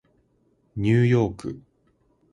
ニューヨーク